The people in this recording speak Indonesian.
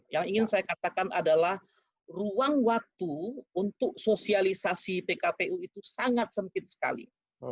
yang ingin saya katakan adalah ruang waktu untuk sosialisasi pkpu itu sangat sempit sekali